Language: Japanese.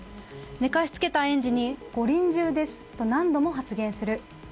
寝かしつけた園児にご臨終ですと何度も発言する。